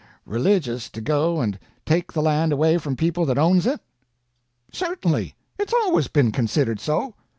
"Religious to go and take the land away from people that owns it?" "Certainly; it's always been considered so."